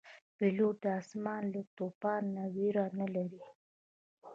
پیلوټ د آسمان له توپانه نه ویره نه لري.